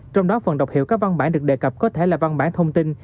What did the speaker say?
trong đó phần đọc hiệu các văn bản được đề cập có thể là văn bản thông tin